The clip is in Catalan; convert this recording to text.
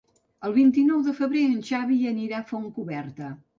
El vint-i-nou de febrer en Xavi anirà a Fontcoberta.